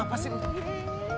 apa sih lu